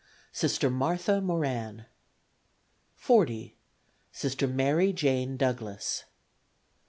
Sister Martha Moran. 40. Sister Mary Jane Douglass.